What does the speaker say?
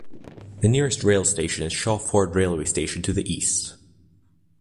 The nearest rail station is Shawford railway station to the east.